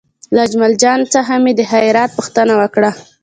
له اجمل جان څخه مې د خیریت پوښتنه وکړه.